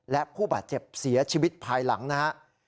และผู้บาดเจ็บเสียชีวิตภายหลังนะครับ